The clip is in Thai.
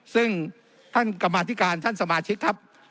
ซึ่งท่านกรรมาธิการท่านสมาชิกครับ